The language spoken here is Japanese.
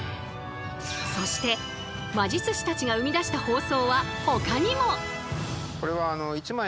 そして魔術師たちが生み出した包装はほかにも。